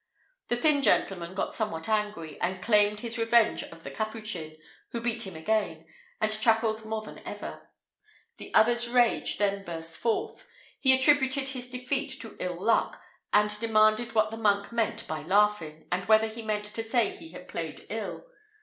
The thin gentleman got somewhat angry, and claimed his revenge of the Capuchin, who beat him again, and chuckled more than ever. The other's rage then burst forth: he attributed his defeat to ill luck, and demanded what the monk meant by laughing, and whether he meant to say he had played ill.